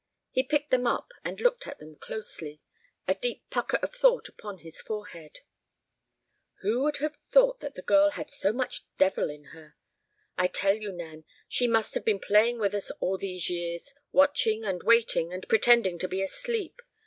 He picked them up and looked at them closely, a deep pucker of thought upon his forehead. "Who would have thought that the girl had so much devil in her! I tell you, Nan, she must have been playing with us all these years, watching and waiting, and pretending to be asleep.